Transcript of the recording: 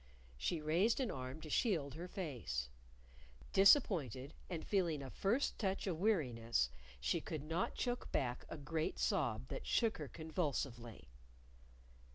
She raised an arm to shield her face. Disappointed, and feeling a first touch of weariness, she could not choke back a great sob that shook her convulsively.